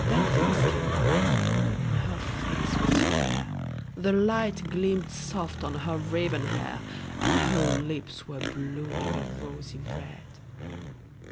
Then Phyllis came by, and her face was fair, The light gleamed soft on her raven hair; And her lips were blooming a rosy red.